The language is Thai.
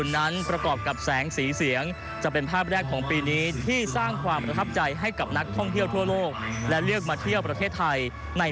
ในปีหน้าคือปี๒๕๕๙